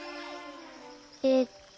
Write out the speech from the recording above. えっと。